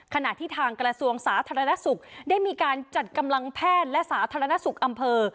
ขณะที่ทางกระทรวงสาธารณสุขได้มีการจัดกำลังแพทย์และสาธารณสุขอำเภอ